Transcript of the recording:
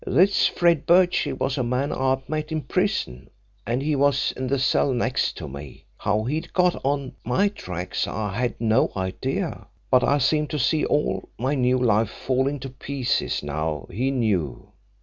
"This Fred Birchill was a man I'd met in prison, and he was in the cell next to me. How he'd got on my tracks I had no idea, but I seemed to see all my new life falling to pieces now he knew.